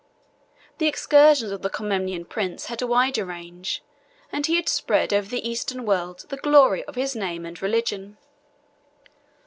The excursions of the Comnenian prince had a wider range; and he had spread over the Eastern world the glory of his name and religion.